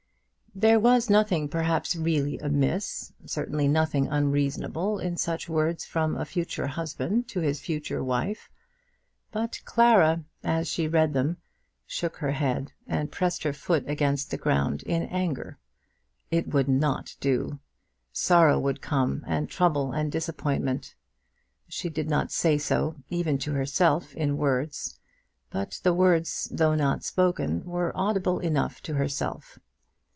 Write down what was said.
There was nothing perhaps really amiss, certainly nothing unreasonable, in such words from a future husband to his future wife; but Clara, as she read them, shook her head and pressed her foot against the ground in anger. It would not do. Sorrow would come, and trouble and disappointment. She did not say so, even to herself, in words; but the words, though not spoken, were audible enough to herself.